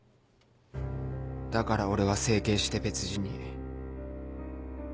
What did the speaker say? だから俺は整形して別人に。